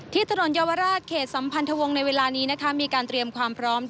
ที่ถนนเยาวราชเขตสัมพันธวงศ์ในเวลานี้นะคะมีการเตรียมความพร้อม